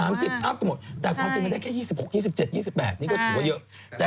อัพกันหมดแต่ความจริงมันได้แค่๒๖๒๗๒๘นี่ก็ถือว่าเยอะ